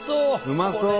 うまそう！